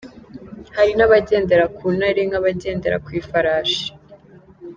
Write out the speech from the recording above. Hari n’abagendera ku ntare nk'abagendera ku ifarashi.